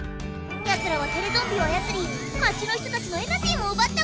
ヤツらはテレゾンビをあやつり町の人たちのエナジーもうばったゴロ。